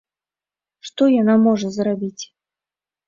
Што яна можа зрабіць?